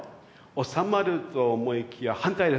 収まると思いきや反対です。